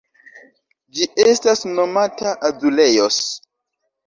Ĝi estas nomata azulejos.